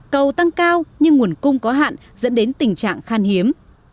cầu tăng cao nhưng nguồn cung có hạn dẫn đến tình trạng khan hiếm